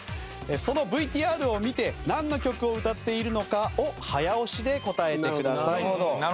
そのＶＴＲを見てなんの曲を歌っているのかを早押しで答えてください。